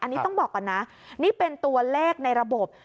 อันนี้ต้องบอกก่อนนะนี่เป็นตัวเลขในระบบ